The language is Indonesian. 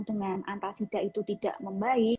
dengan alka sida itu tidak membaik